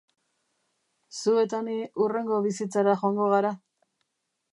Zu eta ni hurrengo bizitzara joango gara?